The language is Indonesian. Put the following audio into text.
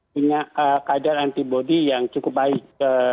punya kadar antibody yang cukup baik